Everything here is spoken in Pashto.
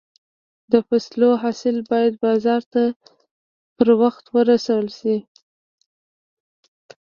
د فصلو حاصل باید بازار ته پر وخت ورسول شي.